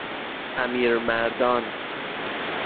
امیرمردان